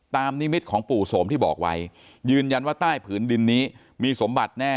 นิมิตของปู่โสมที่บอกไว้ยืนยันว่าใต้ผืนดินนี้มีสมบัติแน่